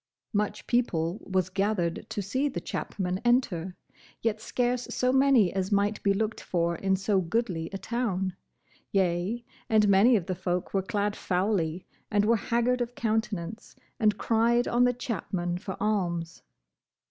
Much people was gathered to see the chapmen enter, yet scarce so many as might be looked for in so goodly a town; yea, and many of the folk were clad foully, and were haggard of countenance, and cried on the chapmen for alms.